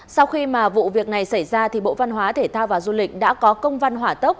sau khi mà vụ việc này xảy ra thì bộ văn hóa thể thao và du lịch đã có công văn hỏa tốc